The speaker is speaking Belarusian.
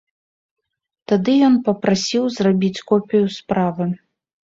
Тады ён папрасіў зрабіць копію справы.